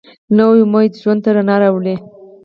نوی امید ژوند ته رڼا راولي